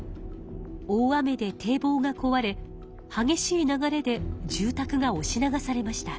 大雨でてい防がこわれ激しい流れで住たくがおし流されました。